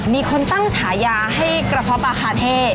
มีคนตั้งฉายาให้กระเพาะปลาคาเท่